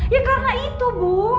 ya karena itu bu